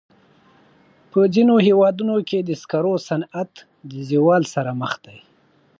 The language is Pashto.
په ځینو هېوادونو کې د سکرو صنعت د زوال سره مخ دی.